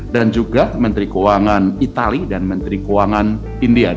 dan juga menteri keuangan itali dan menteri keuangan india